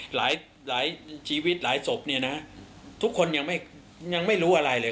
หลายชีวิตหลายศพเนี่ยนะทุกคนยังไม่รู้อะไรเลย